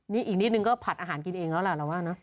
นี่อีกนิดนึงก็ผัดอาหารกินเองแล้วล่ะเราว่านะ